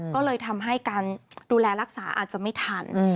ก็เลยทำให้การดูแลรักษาอาจจะไม่ทัน